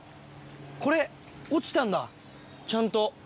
これ、落ちたんだ、ちゃんと。